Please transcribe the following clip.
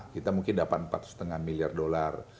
kita mungkin dapat empat lima miliar dolar